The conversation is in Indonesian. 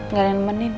nggak ada yang nemenin